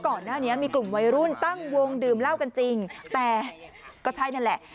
ก่อนหน้านี้มีกลุ่มวัยรุ่นตั้งวงดื่มเหล้ากันจริงแต่ก็ใช่นั่นแหละ